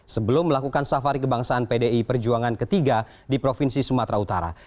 sebelum melakukan safari kebangsaan pdi perjuangan ketiga di provinsi sumatera utara